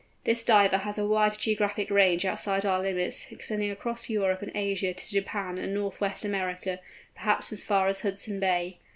This Diver has a wide geographical range outside our limits, extending across Europe and Asia to Japan and North west America, perhaps as far as Hudson Bay.